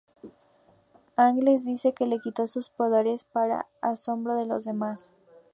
Aang les dice que le quitó sus poderes, para asombro de los demás.